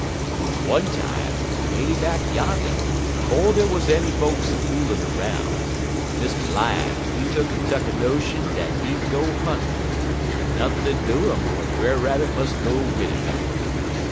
"One time way back yander, 'fo' dey wuz any folks a foolin' 'roun', Mr. Lion, he tuck'n tuck a notion dat he'd go huntin', en nothin' 'ud do 'im but Brer Rabbit must go wid 'im.